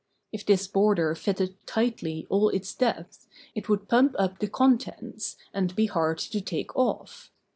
If this border fitted tightly all its depth, it would pump up the contents, and be hard to take off.